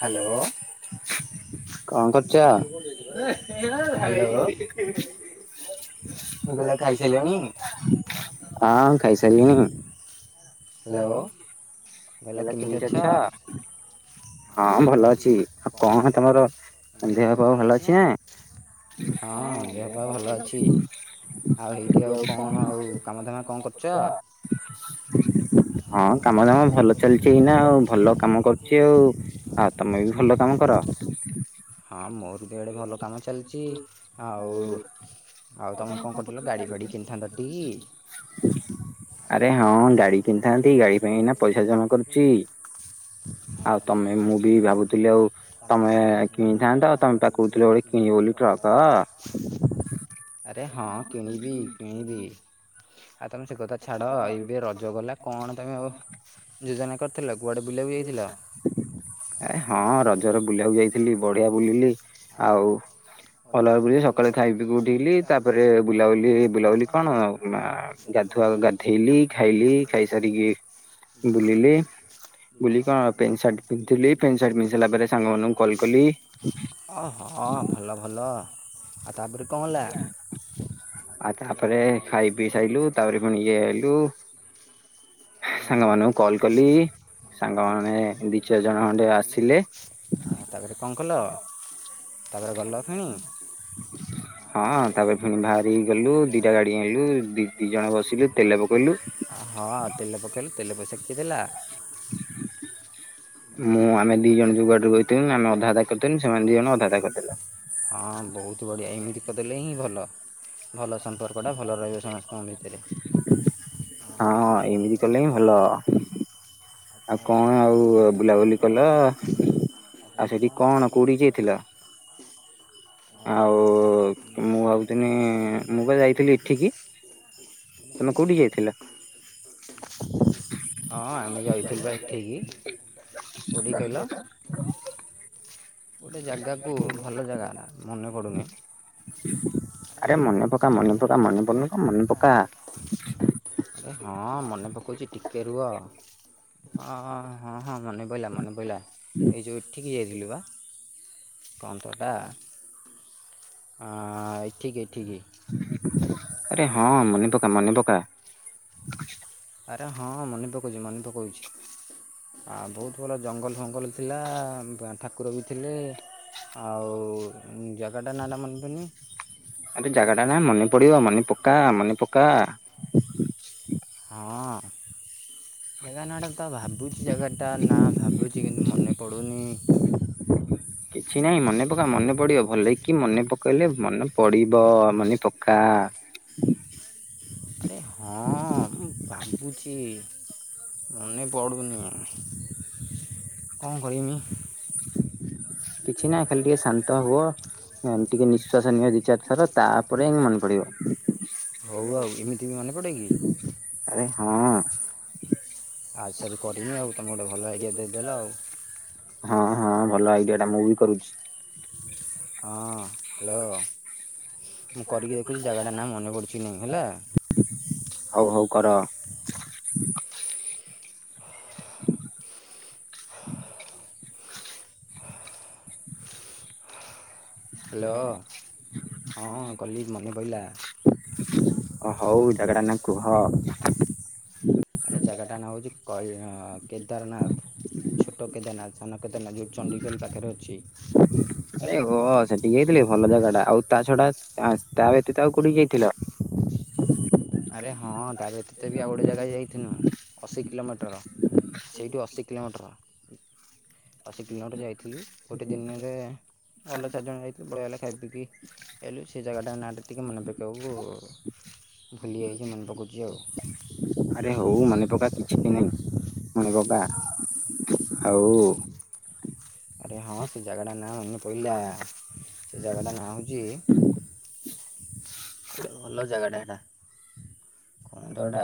Hello. କଣ କରୁଛ? ମୁଁ କହିଲି ଆଉ ଖାଇସାରିଲଣି ହଁ ଖାଇସାରିଲିଣି। ହାଲୋ ହାଲୋ କେମିତି ଅଛ? ହଁ ଭଲ ଅଛି ଆଉ କଣ ତମର ଦେହ ପା ଭଲ ଅଛି ନାଁ? ହଁ ଦେହ ପା ଭଲ ଅଛି ଆଉ ହେଇଠି ଆଉ କଣ ଆଉ କାମଧାମ କଣ କର ଚା ହଁ କାମ ଦାମ ଭଲ ଚାଲିଛି ଏଇନା ଆଉ ଭଲ କାମ କରୁଛି ଆଉ ଆଉ ତମେ ବି ଭଲ କାମ କର। ହଁ ମୋର ବି ଆଡେ ଭଲ କାମ ଚାଲିଛି ଆଉ [inaudible] ଆରେ ହଁ ଗାଡି କିଣିଥାନ୍ତି ଗାଡି ପାଇଁ ଏଇନା ପଇସା ଜମା କରୁଛି। ତମେ ମୁଁ ବି ଭାବୁଥିଲି ଆଉ ତମେ କିଣିଥାନ୍ତ ତମେ ପା କହୁଥିଲ ଗୋଟେ କିଣିବ ବୋଲି ଟ୍ରକ ଆରେ ହଁ କିଣିବି କିଣିବି। ଆ ତମେ ସେ କଥା ଛାଡ ଏବେ ରଜ ଗଲା କଣ ତମେ ଆଉ ଯୋଜନା କରିଥିଲ କୁଆଡେ ବୁଲିବାକୁ ଯାଇଥିଲ? ଏ ହଁ ରଜରେ ବୁଲିବାକୁ ଯାଇଥିଲି ବଢିଆ ବୁଲିଲି ଆଉ ଅଲଗା ଗୁଳି ସକାଳେ ଖାଇ ପିଇ କି ଉଠିଲି ତାପରେ ବୁଲାବୁଲି ବୁଲାବୁଲି କଣ ଆଉ ମା ଗାଧୁଆ ଗାଧେଇଲି ଖାଇଲି ଖାଇ ସାରିକି ବୁଲିଲି ବୁଲି କଣ ପେଣ୍ଟ ସାର୍ଟ ପିନ୍ଧିଥିଲି ପେଣ୍ଟ ସାର୍ଟ ପିନ୍ଧି ସାରିଲା ପରେ ସାଙ୍ଗମାନଙ୍କୁ କଲ ଅହୋ ଭଲ ଭଲ ଆଉ ତାପରେ କଣ ହେଲା? ଆଉ ତାପରେ ଖାଇ ପିଇ ସାଇଲୁ ତାପରେ ପୁଣି ଇଏ ହେଲୁ। ସାଙ୍ଗ ମାନଙ୍କୁ କଲ କଲି ସାଙ୍ଗମାନେ ଦି ଚାରି ଜଣ ଖଣ୍ଡେ ଆସିଲେ ହାଁ ତା ପରେ କଣ କଲ ତା ପରେ ଗଲ ନା ହଁ ତାପରେ ପୁଣି ବାହାରି ଗଲୁ ଦିଟା ଗାଡି ଆଣଲୁ ଦି ଦି ଜଣ ବସିଲୁ ତେଲ ପକେଇଲୁ ହଁ ତେଲ ପକେଇଲୁ ତେଲ ପଇସା କିଏ ଦେଲା? ମୁଁ ଆମେ ଦି ଜଣ ଜଉ ଗାଡ଼ିରେ ବସିଥିଲି ଆମେ ଅଧା ଅଧା କରିଦେଲୁ ସେମାନେ ଦି ଜଣ ଅଧା ଅଧା କରିଦଲେ। ହଁ ବହୁତ ବଢ଼ିଆ ଏମିତି କରିଦେଲେ ହିଁ ଭଲ ଭଲ ସମ୍ପର୍କଟା ଭଲ ରହିବେ ସମସ୍ତଙ୍କ ଭିତରେ। ହଁ ଏମିତି କଲେ ହିଁ ଭଲ। ଆଉ କଣ ଆଉ ବୁଲାବୁଲି କଲ? ଆଉ ସେଠି କଣ କୋଉଠି ଯାଇଥିଲ? [unintelligible] ତମେ କୋଉଠି କି ଯାଇଥିଲ? ହଁ ଆମେ ଯାଇଥିଲୁ ବା ଏଠିକି କୋଉଠି କି କହିଲ? ଗୋଟେ ଜାଗାକୁ ଭଲ ଜାଗାଟା ମନେ ପଡୁନି। ଆରେ ମନେ ପକା ମନେ ପକା ମନେ ପଡୁନି କଣ ମନେ ପକା। ଆରେ ହଁ ମନେ ପକାଉଛି ଟିକେ ରୁହ ହଁ ହଁ ହଁ ମନେ ପହିଲା ମନେ ପହିଲା ଏଇ ଯୋଉ ଏଠିକି ଯାଇଥିଲୁ ବା କଣ ତ ଏଟା ହାଁ ଏଠିକି ଏଠିକି ଆରେ ହଁ ମନେ ପକା ମନେ ପକା। ଆରେ ହଁ ମନେପକାଉଛି ମନେ ପକାଉଛି ଆ ବହୁତ ଭଲ ଜଙ୍ଗଲ ଫଙ୍ଗଲ ଥିଲା ଠାକୁର ବି ଥିଲେ। ଆଉ ଜାଗା ଟା ନା ଟା ମନେ ପଡୁନି। ଆରେ ଜାଗା ଟା ନା ମନେ ପଡିବ ମନେ ପକା ମନେ ପକା। ହଁ ଜାଗା ନା ଟା ତା ଭାବୁଛି ଜାଗାଟା ନା ଭାବୁଛି କିନ୍ତୁ ମନେ ପଡ଼ୁନି? କିଛି ନାହିଁ ମନେ ପକା ମନେ ପଡିବ ଭଲ ହେଇକି ମନେ ପକେଇଲେ ମନେ ପଡିବ ମନେ ପକା। [unintelligible] ହଁ ମୁଁ ଭାବୁଛି ମନେ ପଡୁନି। [unintelligible] [unintelligible] କିଛି ନାହିଁ ଖାଲି ଟିକେ ଶାନ୍ତ ହୁଅ। ହ ଟିକେ ନିଶ୍ଵାସ ନିଅ ଦି ଚାରି ଥର ତାପରେ ମନେ ପଡିବ। ହଉ ଆଉ ଏମିତି ବି ମନେ ପଡ଼େ କି? ଆରେ ହଁ ଆଉ ସାର କରିନି ଆଉ ତମେ ଗୋଟେ ଭଲ ଆଇଡିଆ ଦେଇଦେଲ ଆଉ। ହଁ ହଁ ଭଲ ଆଇଡିଆ ଟା ମୁଁ ବି କରୁଛି। ହଁ ହ୍ୟାଲୋ ମୁଁ କରିକି ଦେଖୁଛି ଜାଗାଟା ନାଁ ମନେ ପଡ଼ୁଛି ନାହିଁ ହେଲା। ହଉ ହଉ କର। ହ୍ୟାଲୋ ହଁ ହଁ କଲି ମନେ ପଇଲା। ହିଁ ହଉ ଜାଗା ନା କୁହ? ଆରେ ଜାଗାଟା ନାଁ ହେଉଛି କୋଇହ କେଦାରନାଥ। ଛୋଟ କେଦାରନାଥ ସାନ କେଦାରନାଥ ଯେଉଠି ଚଣ୍ଡିଖୋଲ ପାଖରେ ଅଛି। ଆରେ ହୋ ସେଠିକି ଯାଇଥିଲି ଭଲ ଜାଗା ଟା ଆଉ ତା ଛଡା ତା ବ୍ୟତୀତ ଆଉ କୋଠିକି ଯାଇଥିଲ? ହଁ [unintelligible] ଆରେ ହଁ ତା ବ୍ୟତୀତ ବି ଆଉ ଗୋଟେ ଜାଗା ଯାଇଥିନୁ ଅଶୀ କିଲୋମିଟର ସେଇଠୁ ଅଶୀ କିଲୋମିଟର। ଅଶୀ କିଲୋଟରେ ଯାଇଥିଲି ଗୋଟେ ଦିନରେ ଅଲଗ ଚାରି ଜଣ ଯାଇଥିଲୁ ବଢିଆ ଲାଗିଲା ଖାଇ ପିଇକି ହେଲୁ ସେ ଜାଗାଟା ନାଁଟରେ ଟିକେ ମନେ ପକେଇବାକୁ ଭୁଲିଯାଇଛି ମନେ ପକ [unintelligible] ଆରେ ହଉ ମନେ ପକା କିଛି ନାଇଁ ମନେ ପକା ଆଉ ଆରେ ହଁ ସେ ଜାଗାଟା ନାଁ ମନେ ପଇଲା ସେ ଜାଗାଟା ନାଁ ହେଉଛି ଗୋଟେ ଭଲ ଜାଗାଟା ସେଟା କଣ ତଟା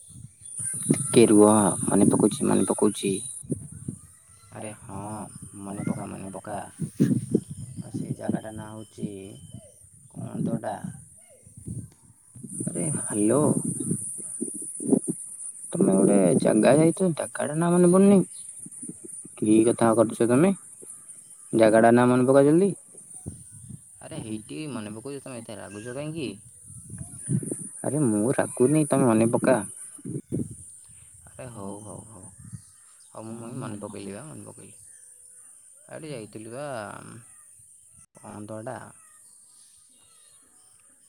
ହଁ [inaudible] ଟିକେ ରୁହ ମନେ ପକଉଛି ମନେ ପକଉଛି। ଆରେ ହଁ ମନେ ପକା ମନେ ପକା ଆଉ ସେ ଜାଗାଟା ନାଁ ହେଉଛି କଣତଟା ଆରେ ହ୍ୟାଲୋ। ତମେ ଗୋଟେ ଜାଗା ଯାଇଛ ଜାଗା ଟା ନାଁ ମାନେ ପଡୁନି। କି କଥା କରୁଛ ତମେ। ଜାଗା ଟା ନା ମନେ ପକଉଛନ୍ତି ଆରେ ହେଇଠି ମନେ ପକଉଛି ତ ଏ ରାଗୁଛ କାହିଁକି। ଆରେ ମୁଁ ରାଗୁନି ତମେ ମନେ ପକା ଆରେ ହଉ ହଉ ହଉ ହଉ ମୁ ମୁଇ ମନେ ପକେଇଲି ବା ମନେ ପକେଇଲି କାଲି ଯାଇଥିଲୁ ବା କନ୍ ତ ଏଟା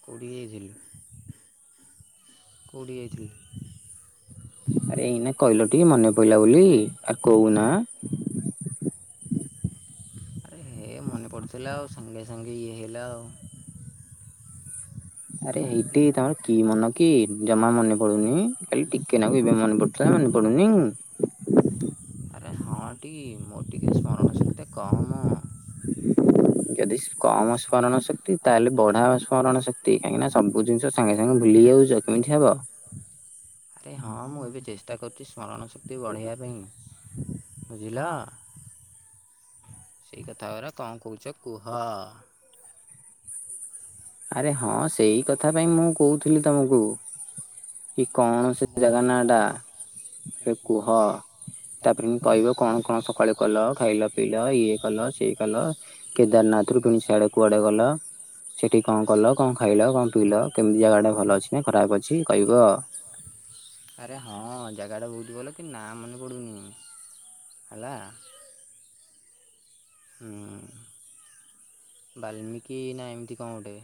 କୋଉଠିକି ଜାଇଥିଲୁ। କୋଡ଼ିଏଥିଲୁ। ଆରେ ଏଇନା କହିଲ ଟି ମନେ ପଇଲା ବୋଲି ଆ କହୁନା। ଆରେ ହେ ମନେ ପଡିଥିଲା ଆଉ ସାଙ୍ଗେ ସାଙ୍ଗେ ଇଏ ହେଇଗଲା ଆଉ। ଆରେ ହେଇଠି ତମର କି ମନ କି ଜମା ମନେ ପଡୁନି ଖାଲି ଟିକେ ନାକୁ ଏବେ ମନେ ପଡୁ ତା ମନେ ପଡୁନି ଆରେ ହଁ ଟି ମୋ ଟିକେ ସ୍ମରଣଶକ୍ତି ଟା କମ। ଯଦି କମ ସ୍ମରଣ ଶକ୍ତି ତାହେଲେ ବଢାଅ ସ୍ମରଣ ଶକ୍ତି। ସେ କାହିଁକି ନା ସବୁ ଜିନିଷ ସାଙ୍ଗେ ସାଙ୍ଗେ ଭୁଲି ଯାଉଛ କେମିତି ହବ। ଆରେ ହଁ ମୁଁ ଏବେ ଚେଷ୍ଟା କରୁଛି ସ୍ମରଣ ଶକ୍ତି ବଢ଼େଇବା ପାଇଁ। ବୁଝିଲ ସେଇ କଥା ହେରା କଣ କହୁଛ କୁହ। ଆରେ ହଁ ସେଇ କଥା ପାଇଁ ମୁଁ କହୁଥିଲି ତମକୁ। କି କଣ ସି ଜାଗା ନାଟା। ହଁ। ତାପରେ କହିବ କଣ କଣ ସକାଳୁ କଲ ଖାଇଲ ପିଇଲ ଇଏ କଲ ସିଏ କଲ। କେଦାରନାଥ ରୁ କିଣି ସିଆଡେ କୁଆଡେ ଗଲ। କଣ କଲ କଣ ଖାଇଲ କଣ ପିଇଲ କେମିତି ଜାଗା ଟା ଭଲ ଅଛି ନା ଖରାପ ଅଛି କହିବ। ଆରେ ହଁ ଜାଗାଟା ବହୁତ ଭଲ କି ନାଁ ମନେ ପଡ଼ୁନି। ହେଲା। ହୁଁ। ବାଲ୍ମିକି ନା ଏମିତି କଣ ଗୋଟେ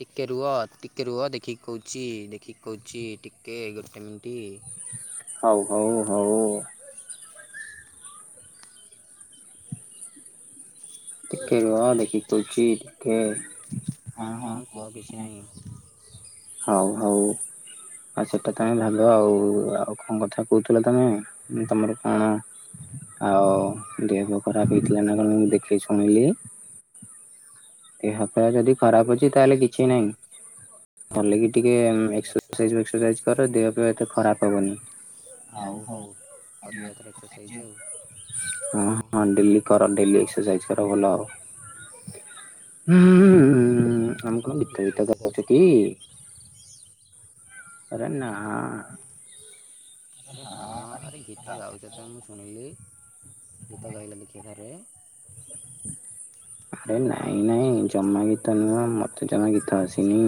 ଟିକେ ରୁହ ଟିକେ ରୁହ ଦେଖିକି କହୁଛି ଦେଖିକି କହୁଛି ଟିକେ ଗୋଟେ ମିନିଟି। ହଉ ହଉ ହଉ। ଟିକେ ରୁହ ଦେଖିକ୍ କିି କୁଚି ଟିକେ ହଁ ହଁ କ କିଛି ନାହିଁ। [inaudible] ହଉ ହଉ ଆଉ ସେଟା କଇଁ ଭାବ ଆଉ ଆଉ କଣ କଥା କହୁଥିଲ ତମେ ତମର କଣ ଆଉ ଦେହ ଖରାପ ହେଇଥିଲା ନା କଣ ମୁ ଦେଖେ ଶୁଣିଲିି ଘଣ୍ଟାଏ ଯଦି ଖରାପ ଅଛି ତାହେଲେ କିଛି ନାହିଁ କଲେ କି ଟିକେ ଏକ୍ସରସାଇଜ ଫକ୍ସରସାଇଜ କର ଦେହ ଫେହ ଏତେ ଖରାପ ହବନି ଆଉ ହଉ କରିବା ତାଲେ ଏକ୍ସରସାଇଜ୍ ଆଉ ହଁ ହଁ ଡେଲି କର ଡେଲି ଏକ୍ସରସାଇଜ କର ଭଲ ହବ ହୁଁ ହୁଁ ଆମେ କଣ ଗିତ ଫିତ କରାଉ କି ଅ ନା ଆରେ ହଁ ଆରେ ଗୀତ ଗାଉଛ ତ ମୁଁ ଶୁଣିଲି ଗୀତ ଗାଇଲ ଦେଖିବା ଥରେ ଆରେ ନାଇଁ ନାଇଁ ଜମା ଗୀତ ନୁହଁ ମତେ ଜମା ଗୀତ ଆସେନି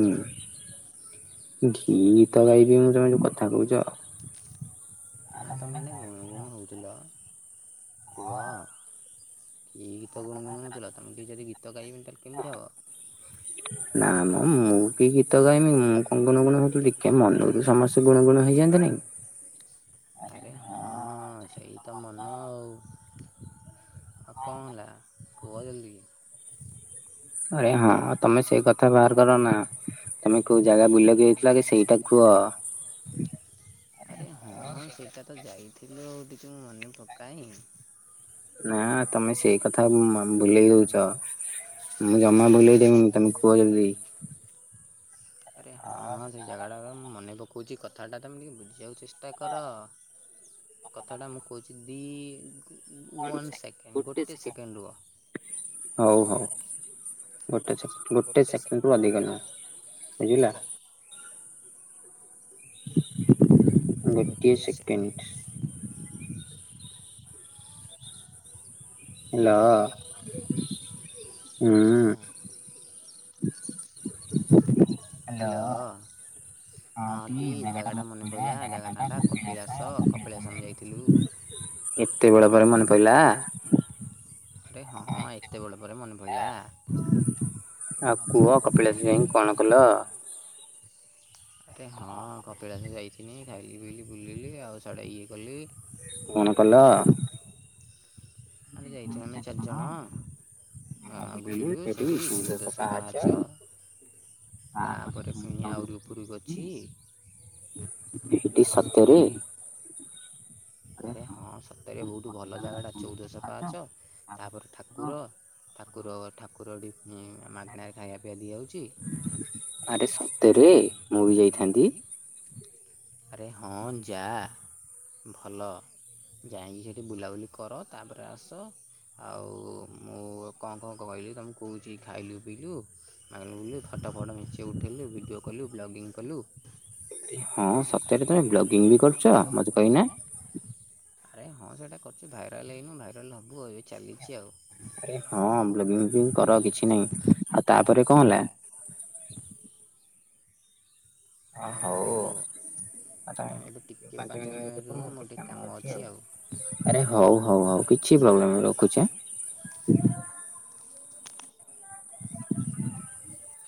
କି ଗୀତ ଗାଇବି ମୁଁ ତମେ ଯ କଥା କହୁଛ ନା ତମେ ଏଇନେ ଗୁଣୁ ଗୁଣୁ ହେଉଥିଲ ପୁଅ କି ଗୀତ ଗୁଣୁ ଗୁଣୁ ହଉଥିଲା ତମେ ମାନ କି ଯଦି ଗୀତ ଗାଇ ବନି କେମିତି ହବା ନା ମ ମୁଁ କାଇଁକି ଗୀତ ଗାଇମି ମୁଁ କ କଣ ଗୁଣୁ ଗୁଣୁ ହେଇଥିଲି କାଇଁ ମନକୁ ତ ସମସ୍ତେ ଗୁଣୁ ଗୁଣୁ ହେଇଯାନ୍ତେ ନି ଆରେ ହଁ ହଁ ସେଇ ତ ମନେ ଆଉ ଆଉ କଣ ହେଲା କୁହ ଜଲ୍ଦି ଆରେ ହଁ ତମେ ସେଇ କଥା ବାହାର କର ନା ତମେ କୋଉ ଜାଗା ବୁଲିବାକୁ ଯାଇଥିଲ କି ସେଇଟା କୁହ ଆରେ ହଁ ସେଇଟା ତ ଯାଇଥିଲୁ ଟିକେ ମୁଁ ମନେ ପକାଏ ନା ତମେ ସେଇ କଥା ମି ଭୁଲେଇ ଦଉଛ। ମୁଁ ଜମା ବୁଲେଇ ଦେବିନି ତମେ କୁହ ଜଲଦି। ଆରେ ହଁ ହଁ ସେ ଜାଗା ଟା ତ ମୁଁ ମନେ ପକଉଛି କଥାଟା ତମେ ଟିକେ ବୁଝିବାକୁ ଚେଷ୍ଟ ଚେଷ୍ଟା କର କଥାଟା ମୁଁ କହୁଛି ଦି ୱାନ୍ ସେକେଣ୍ଡ ଗୋଟେ ସେକେଣ୍ଡ ରୁହ। ହଉ ହଉ ଗୋଟେ ସେ ଗୋଟେ ସେକେଣ୍ଡ ରୁ ଅଧିକ ନୁହେଁ। ବୁଝିଲା। ଗୋଟିଏ ସେକେଣ୍ଡ। ହେଲୋ ହୁଁ ହ୍ୟାଲୋ। ହଁ ଟି ଜାଗାଟା ମନେ ପଡ଼ିଲା ଯାଗା ନାଟା କପିଳାସ କପିଳାସ ଆମେ ଯାଇଥିଲୁ। ଏତେ ବେଳ ପରେ ମନେ ପଡ଼ିଲା। ଆରେ ହଁ ଏତେ ବଡ଼ ପରେ ମନେ ପଡ଼ିଲା। ଆଉ କୁହ କପିଳାଶ ଯାଇ କଣ କଲ? ଆରେ ହଁ କପିଳାସ ଯାଇଥିନି ଖାଇଲି ଫିଲି ବୁଲିଲି ଆଉ ସିଆଡ଼େ ଇଏ କଲି କଣ କଲ ଆରେ ଯାଇଥିଲୁ ଆମେ ଚାରିଜଣ ହଁ ବୁଲିଲୁ ସେଇଠି ଚଉଦ ଶହ ପାହାଚ ତାପରେ ପୁଣି ଆହୁରି ଉପରକୁ ଅଛି। ଏଇଟିି ସତରେ ଆରେ ହଁ ସତରେ ବହୁତ ଭଲ ଜାଗାଟା ଚଉଦଶହ ପାହାଚ ତାପରେ ଠାକୁର ଠାକୁର ଠାକୁରଠି ମାଗଣାରେ ଖାଇବା ପିଇବା ଦିଆଯାଉଛି। ଆରେ ସତରେ ମୁଁ ବି ଯାଇଥାନ୍ତି। ଆରେ ହଁ ଯା ଭଲ। ଯାଇକି ସେଇଠି ବୁଲାବୁଲି କର ତାପରେ ଆସ ଆଉ ମୁଁ ଙ୍କ ଙ୍କ କହିଲି ତମକୁ କହୁଛି ଖାଇଲୁ ପିଇଲୁ ଆଉ ଇଏ ଫଟୋ ଫୋଟ ମେଞ୍ଚେ ଉଠେଇଲୁ ଭିଡ଼ିଓ କଲୁ ବ୍ଲଗିଙ୍ଗ କଲୁ? ହଁ ସତ ରେ ତମେ ବ୍ଲଗିଙ୍ଗ ବି କରୁଛ ମତେ କହିହ ନ? ଆରେ ହଁ ସେଇଟା କରୁଛି ଭାଇରାଲ୍ ହେଇନୁ ଭାଇରାଲ୍ ହେବୁ ଏବେ ଚାଲିଛି ଆଉ ଆରେ ହଁ ବ୍ଳଗିଙ୍ଗି ବି କର କିଛି ନାଇଁ ଆଉ ତାପରେ କଣ ହେଲା? ଅ ହୋଉ। ଆଉ ତାଙ୍କର ପାଞ୍ଚ ମିନିଟ୍ ପାଇଁ ରଖ ମୁଁ ଦୋକାନରେ ଅଛି ଆଉ। ଆରେ ହଉ ହଉ ହଉ କିଛି ପ୍ରୋବ୍ଲେମ ରଖୁଛି ଆଁ।